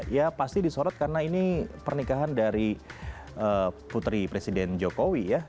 ya pasti disorot karena ini pernikahan dari putri presiden jokowi ya